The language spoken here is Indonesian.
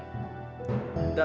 kami dari kepolisian